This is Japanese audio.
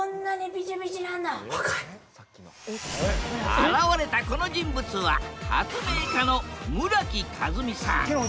現れたこの人物は発明家の村木風海さん。